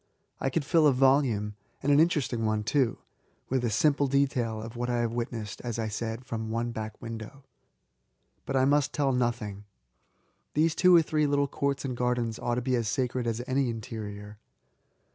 I could fill a volume — and an interest* ing one too — with a simple detail of what I have witnessed, as .1 said, from one back window. But I must tell nothing. These two or three little courts and gardens ought to be as sacred as any interior.